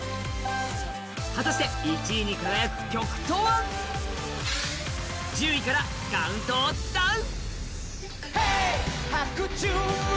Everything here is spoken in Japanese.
果たして１位に輝く曲とは１０位からカウントダウン！